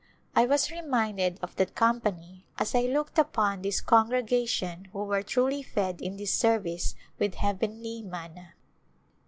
I was reminded of that com pany as I looked upon this congregation who were truly fed in this service with heavenly manna.